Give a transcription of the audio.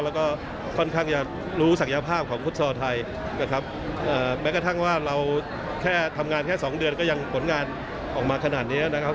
แล้วก็ค่อนข้างจะรู้ศักยภาพของฟุตซอลไทยนะครับแม้กระทั่งว่าเราแค่ทำงานแค่สองเดือนก็ยังผลงานออกมาขนาดนี้นะครับ